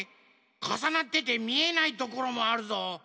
かさなっててみえないところもあるぞ。